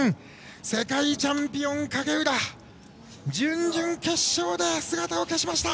世界チャンピオン、影浦準々決勝で姿を消しました。